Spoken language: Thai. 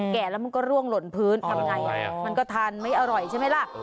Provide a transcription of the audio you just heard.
แล้วมันก็ร่วงหล่นพื้นทำไงมันก็ทานไม่อร่อยใช่ไหมล่ะ